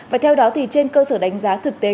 và theo đó thì trên cơ sở đánh giá thực tế